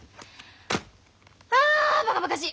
あバカバカしい！